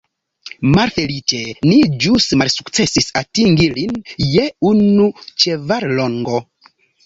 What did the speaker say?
Malfeliĉe ni ĵus malsukcesis atingi lin je unu ĉevallongo.